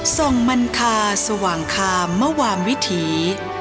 ส่งมันคาสว่างคามมวามวิถี